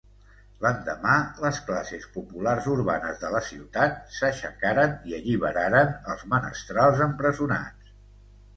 L'endemà les classes populars urbanes de la ciutat s'aixecaren i alliberaren els menestrals empresonats.